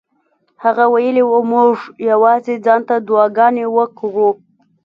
هغه ویلي وو موږ یوازې ځان ته دعاګانې وکړو.